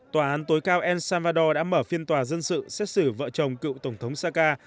tòa án tối cao el salvador đã mở phiên tòa dân sự xét xử vợ chồng cựu tổng thống saka